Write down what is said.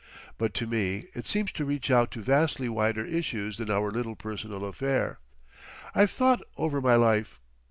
But to me it seems to reach out to vastly wider issues than our little personal affair. I've thought over my life.